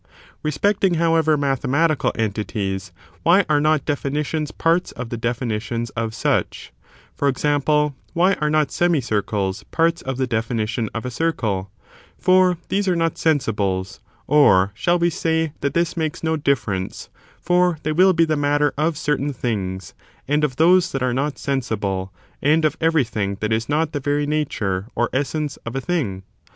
Respecting, however, mathematical entities, why are not definitions parts of the definitions of such 1 for example, why are not semicircles parts of the definition of a circle 1 for these are not sensibles; or, shall we say that this makes no difierence, for they will be the matter of certain things, and of those that are not sensible, and of everything that is not the very nature or essence of a thing?